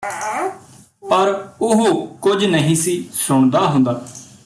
ਪਰ ਉਹ ਕੁੱਝ ਨਹੀਂ ਸੀ ਸੁਣਦਾ ਹੁੰਦਾ